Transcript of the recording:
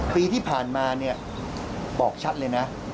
ปีที่ผ่านมาเนี่ยบอกชัดเลยนะ